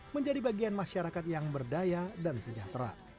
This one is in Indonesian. menjadi bagian masyarakat yang berdaya dan sejahtera